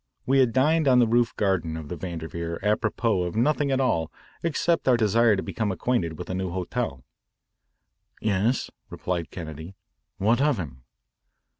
We had dined on the roof garden of the Vanderveer apropos of nothing at all except our desire to become acquainted with a new hotel. "Yes," replied Kennedy, "what of him?"